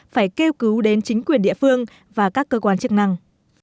phải kêu cứu đến chính quyền địa phương và các cơ quan chức năng